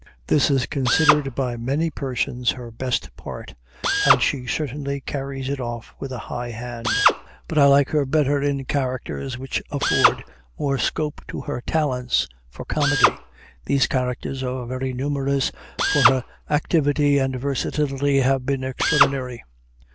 This is considered by many persons her best part, and she certainly carries it off with a high hand; but I like her better in characters which afford more scope to her talents for comedy. These characters are very numerous, for her activity and versatility have been extraordinary.